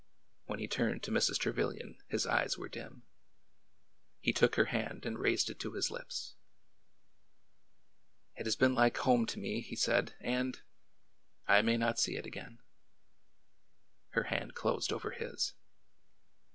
When he turned to Mrs. Trevilian his eyes were dim. He took her hand and raised it to his lips. TRAMP, TRAMP, TRAMP!" 191 It has been like home to me," he said, and— I may not see it again." Her hand closed over his.